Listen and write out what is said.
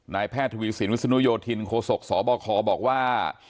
แพทย์ทวีสินวิศนุโยธินโคศกสบคบอกว่า